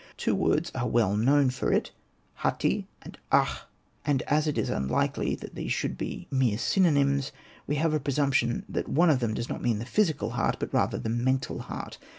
Two words are well known for it, hati and ah ; and as it is un likely that these should be mere synonyms, we have a presumption that one of them does not mean the physical heart, but rather the mental heart.